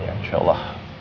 ya insya allah